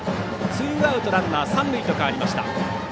ツーアウトランナー、三塁と変わりました。